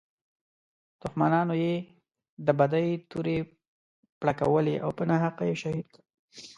دښمنانو یې د بدۍ تورې پړکولې او په ناحقه یې شهید کړ.